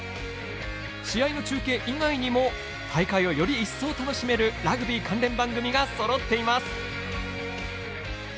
試合の中継以外にも大会を、より一層楽しめるラグビー関連番組がそろっています。